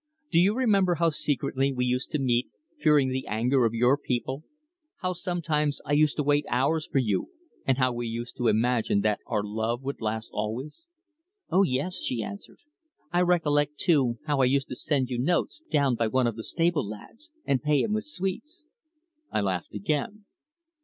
Do you remember how secretly we used to meet, fearing the anger of your people; how sometimes I used to wait hours for you, and how we used to imagine that our love would last always?" "Oh, yes," she answered. "I recollect, too, how I used to send you notes down by one of the stable lads, and pay him with sweets." I laughed again.